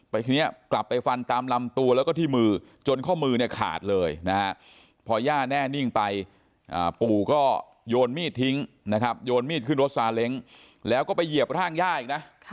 แต่ทีนี้กลับไปฟันตามลำตัวแล้วก็ที่มือจนข้อมือเนี่ยขาดเลยนะฮะพอย่าแน่นิ่งไปปู่ก็โยนมีดทิ้งนะครับโยนมีดขึ้นรถซาเล้งแล้วก็ไปเหยียบร่างย่าอีกนะ